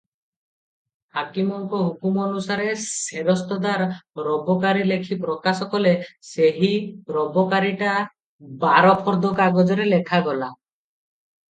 ହାକିମଙ୍କ ହୁକୁମ ଅନୁସାରେ ସେରସ୍ତଦାର ରୋବକାରୀ ଲେଖି ପ୍ରକାଶ କଲେ ସେହି ରୋବକାରୀଟା ବାରଫର୍ଦ୍ଧ କାଗଜରେ ଲେଖଗଲା ।